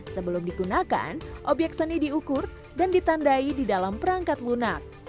sebelum digunakan obyek seni diukur dan ditandai di dalam perangkat lunak